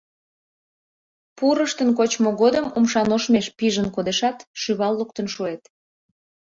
Пурыштын кочмо годым умшаношмеш пижын кодешат, шӱвал луктын шуэт.